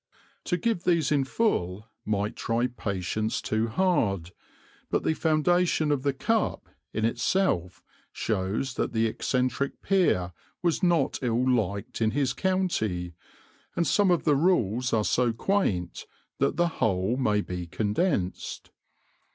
To give these in full might try patience too hard, but the foundation of the cup in itself shows that the eccentric peer was not ill liked in his county, and some of the rules are so quaint that the whole may be condensed.